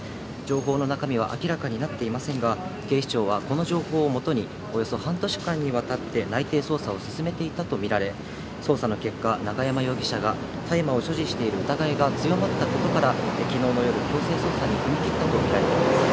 情報の中身は明らかになっていませんが、警視庁はこの情報をもとにおよそ半年間にわたって内偵捜査を進めていたとみられ、捜査の結果、永山容疑者が大麻を所持している疑いが強まったことから、きのうの夜、強制捜査に踏み切ったとみられています。